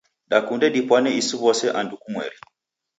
Dakunde dipwane isi w'ose andu kumweri.